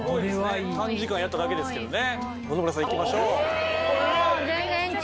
短時間やっただけですけどね。